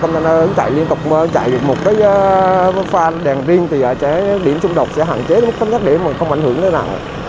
nên nó chạy liên tục chạy một cái pha đèn riêng thì điểm xung đột sẽ hạn chế đến mức tấm nhất để không ảnh hưởng tới nào